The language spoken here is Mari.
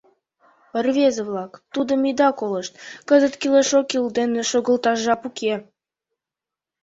Рвезе-влак, тудым ида колышт: кызыт кӱлеш-оккӱл дене шогылташ жап уке.